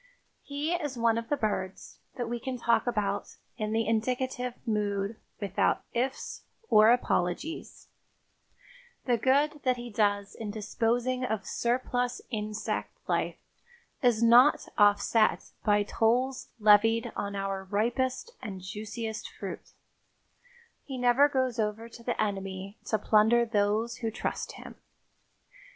He is one of the birds that we can talk about in the indicative mood without "ifs" or apologies; the good that he does in disposing of surplus insect life is not offset by tolls levied on our ripest and juiciest fruit; he never goes over to the enemy to plunder those who trust him.